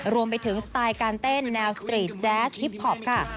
รวมไปถึงสไตล์การเต้นแนวสตรีทแจสฮิปพอปค่ะ